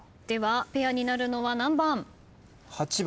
ではペアになるのは何番？